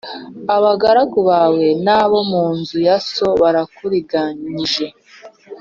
Abagaragu bawe n’abo mu nzu ya so barakuriganyije